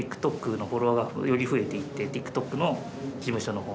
ＴｉｋＴｏｋのフォロワーがより増えていって、ＴｉｋＴｏｋの事